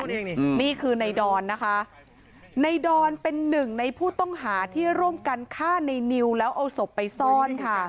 นี่นี่คือในดอนนะคะในดอนเป็นหนึ่งในผู้ต้องหาที่ร่วมกันฆ่าในนิวแล้วเอาศพไปซ่อนค่ะ